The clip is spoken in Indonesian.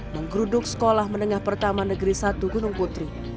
menggeruduk sekolah menengah pertama negeri satu gunung putri